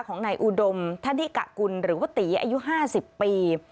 ของนายอูดมท่านที่กะกุลหรือว่าตีอายุห้าสิบปี